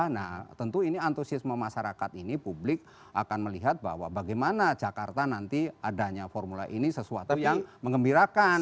nah tentu ini antusiasme masyarakat ini publik akan melihat bahwa bagaimana jakarta nanti adanya formula e ini sesuatu yang mengembirakan